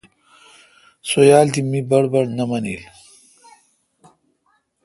سو یال تھ می بڑ بڑ نہ مانیل۔